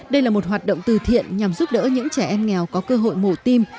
đây là một hoạt động từ thiện nhằm giúp đỡ những trẻ em nghèo có cơ hội mổ tim